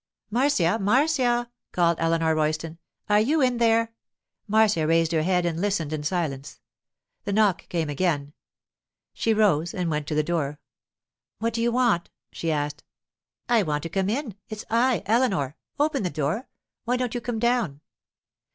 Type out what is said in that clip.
'Marcia, Marcia!' called Eleanor Royston. 'Are you in there?' Marcia raised her head and listened in silence. The knock came again. She rose and went to the door. 'What do you want?' she asked. 'I want to come in. It's I—Eleanor. Open the door. Why don't you come down?